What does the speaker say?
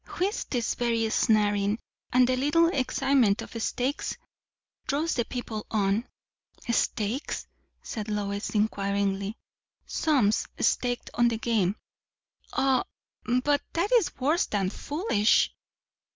"Whist is very ensnaring. And the little excitement of stakes draws people on." "Stakes?" said Lois inquiringly. "Sums staked on the game." "Oh! But that is worse than foolish."